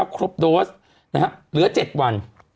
ครบโดสนะครับเหลือ๗วัน